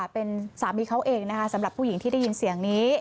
เป็นสามีเขาเองนะคะสำหรับผู้หญิงที่ได้ยินเสียงนี้